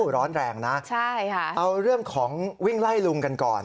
ร้อนแรงนะเอาเรื่องของวิ่งไล่ลุงกันก่อน